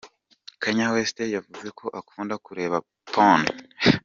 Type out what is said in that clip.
Kanye West yavuze ko akunda kureba porn.